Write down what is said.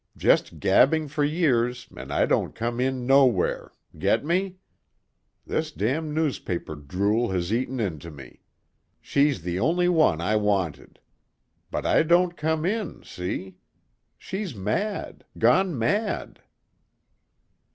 Just gabbing for years and I don't come in nowhere.... Get me? This damn newspaper drool has eaten into me.... She's the only one I wanted. But I don't come in, see? She's mad ... gone mad...."